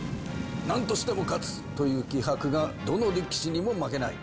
なんとしても勝つという気迫がどの力士にも負けない。